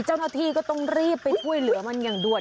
เจ้าหน้าที่ก็ต้องรีบไปช่วยเหลือมันอย่างด่วน